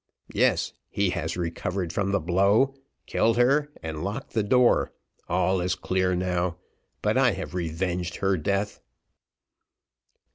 "Yes, yes, he has recovered from the blow killed her and locked the door all is clear now, but I have revenged her death."